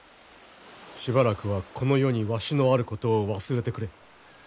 しばらくはこの世にわしのあることを忘れてくれ。